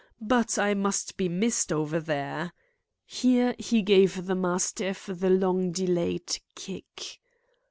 But I must be missed over there." Here he gave the mastiff the long delayed kick.